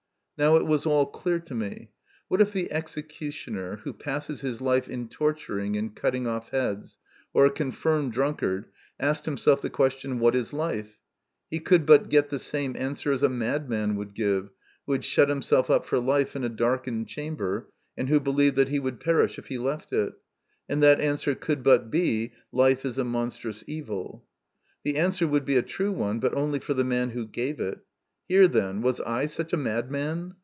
Now it was all clear to me. What if the executioner, who passes his life in torturing and cutting off heads, or a confirmed drunkard, asked himself the question, What is life ? he could but get the same answer as a madman would give, who had shut himself up for life in a darkened chamber, and who believed that he would perish if he left it ; and that answer could but be Life is a monstrous evil. The answer would be a true one, but only for the man who gave it. Here, then, was I such a madman